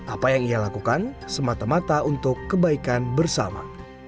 apa yang ia lakukan semata mata untuk kebaikan bersama